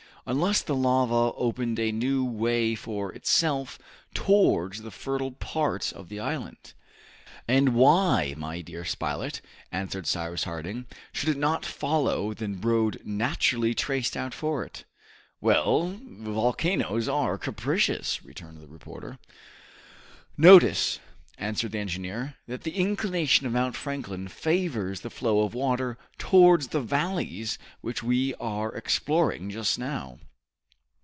"Unless the lava opened a new way for itself towards the fertile parts of the island!" "And why, my dear Spilett," answered Cyrus Harding, "should it not follow the road naturally traced out for it?" "Well, volcanoes are capricious," returned the reporter. "Notice," answered the engineer, "that the inclination of Mount Franklin favors the flow of water towards the valleys which we are exploring just now.